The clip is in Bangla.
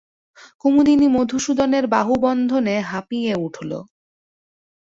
কুমুদিনী মধুসূদনের বাহুবন্ধনে হাঁপিয়ে উঠল।